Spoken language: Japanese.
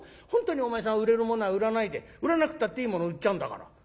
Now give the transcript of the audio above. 本当にお前さんは売れるものは売らないで売らなくったっていいものを売っちゃうんだから」。